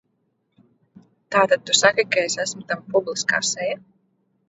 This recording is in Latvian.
Tātad tu saki, ka esmu tava publiskā seja?